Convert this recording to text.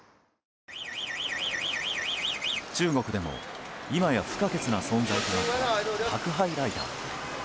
中国でも、いまや不可欠な存在となった宅配ライダー。